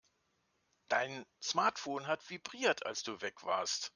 Dein Smartphone hat vibriert, als du weg warst.